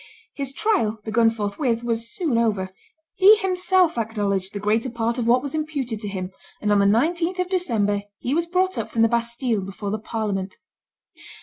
His trial, begun forthwith, was soon over; he himself acknowledged the greater part of what was imputed to him; and on the 19th of December he was brought up from the Bastille before the parliament.